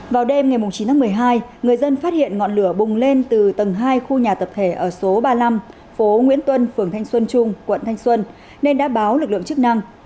vào đêm ngày chín tháng một mươi hai người dân phát hiện ngọn lửa bùng lên từ tầng hai khu nhà tập thể ở số ba mươi năm phố nguyễn tuân phường thanh xuân trung quận thanh xuân nên đã báo lực lượng chức năng